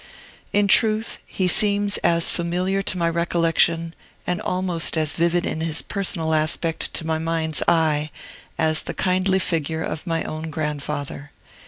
In truth, he seems as familiar to my recollection, and almost as vivid in his personal aspect to my mind's eye, as the kindly figure of my own grandfather.